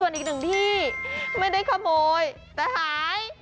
ส่วนอีกหนึ่งที่ไม่ได้ขโมยแต่หาย